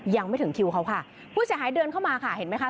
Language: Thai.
ยังไม่ถึงคิวเขาค่ะผู้เสียหายเดินเข้ามาค่ะเห็นไหมคะ